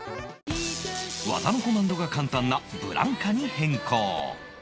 技のコマンドが簡単な ＢＬＡＮＫＡ に変更